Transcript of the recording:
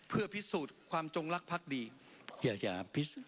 เพื่อพิสูจน์ความจงลักษ์ดี